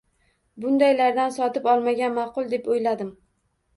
Bundaylardan sotib olmagan maʼqul, deb oʻyladim.